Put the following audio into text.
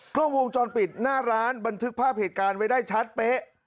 กล้องวงจรปิดหน้าร้านบันทึกภาพเหตุการณ์ไว้ได้ชัดเป๊ะ